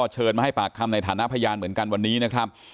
เชิญมาให้ปากคำในฐานะพยานเหมือนกันวันนี้นะครับ